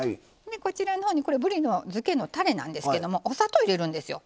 こちらのほうにこれぶりのづけのたれなんですけどもお砂糖入れるんですよ。